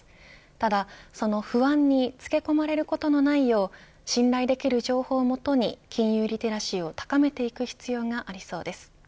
ただその不安につけ込まれることのないよう信頼できる情報を基に金融リテラシーを高めていく必要がありそうです。